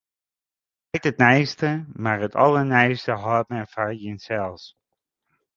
Men seit it neiste, mar it alderneiste hâldt men foar jinsels.